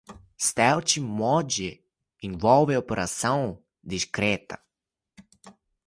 Stealth Mode envolve operação discreta.